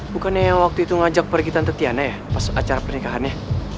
bukannya yang waktu itu ngajak pergi tante tiana ya pas acara pernikahannya